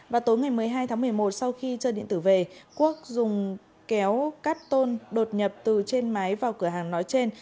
vào tối ngày một mươi hai tháng một mươi một sau khi chơi điện tử về quốc dùng kéo cắt tôn đột nhập từ trên mái vào cửa hàng nói trên